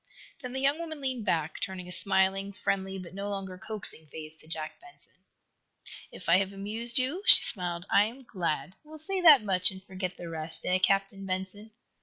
Then the young woman leaned back, turning a smiling, friendly but no longer coaxing face to Jack Benson. "If I have amused you," she smiled, "I am glad. We will say that much and forget the rest, eh, Captain Benson."